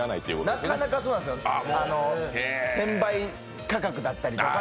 なかなか転売価格だったりとか。